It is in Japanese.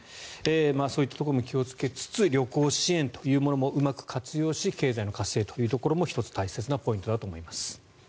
そういったところも気をつけつつ旅行支援というものもうまく活用し経済の活性も１つ大切なポイントだと思います。